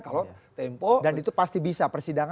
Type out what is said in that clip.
kalau tempo dan itu pasti bisa persidangan